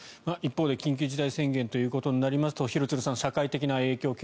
一方で緊急事態宣言ということになりますと廣津留さん、社会的な影響